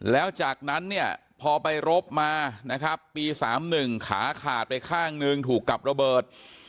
แล้วจากนั้นเนี่ยพอไปรบมานะครับปี๓๑ขาขาดไปข้างหนึ่งถูกกับระเบิด